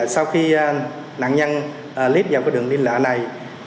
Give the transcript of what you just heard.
sau khi nạn nhân liếp vào đường liên lạ này